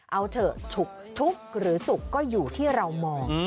เอาเถอะทุกข์หรือสุขก็อยู่ที่เรามอง